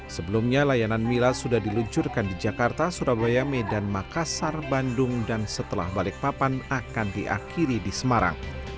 sebelumnya layanan mila sudah diluncurkan di jakarta surabaya medan makassar bandung dan setelah balikpapan akan diakhiri di semarang